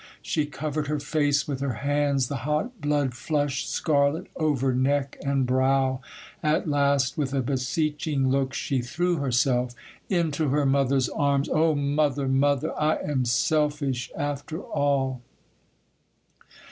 She covered her face with her hands; the hot blood flushed scarlet over neck and brow; at last, with a beseeching look, she threw herself into her mother's arms. 'Oh, mother, mother, I am selfish, after all!